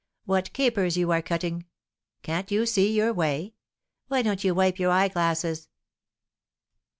What capers you are cutting! Can't you see your way? Why don't you wipe your eye glasses?"